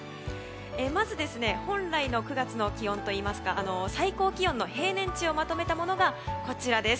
まず、本来の９月の気温といいますか最高気温の平年値をまとめたものがこちらです。